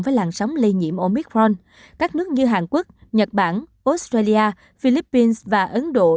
với làn sóng lây nhiễm omicron các nước như hàn quốc nhật bản australia philippines và ấn độ